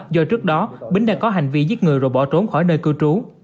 do trước đó bính đang có hành vi giết người rồi bỏ trốn khỏi nơi cư trú